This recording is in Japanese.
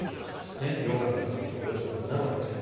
よかったという人がおよそ７割という。